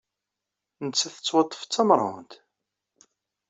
Nettat tettwaḍḍef d tameṛhunt.